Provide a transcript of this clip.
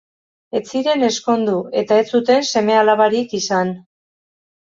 Ez ziren ezkondu, eta ez zuten seme-alabarik izan.